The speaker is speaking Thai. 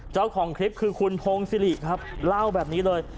เจ้าของคลิปคือคุณพงศิริครับเล่าแบบนี้เลย